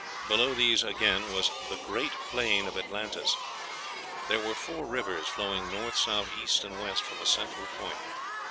Below these, again, was "the great plain of Atlantis." There were four rivers flowing north, south, east, and west from a central point.